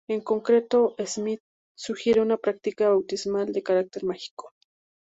En concreto, Smith sugiere una práctica bautismal de carácter mágico.